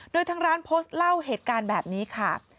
โดยทางร้านโพสต์เล่าเหตุการณ์แบบนี้ค่ะ